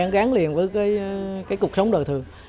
gắn liền với cái cuộc sống đời thường